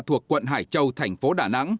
thuộc quận hải châu thành phố đà nẵng